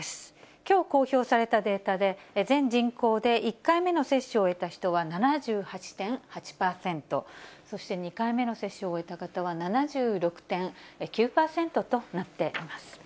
きょう公表されたデータで、全人口で１回目の接種を終えた人は７８．８％、そして２回目の接種を終えた方は７６．９％となっています。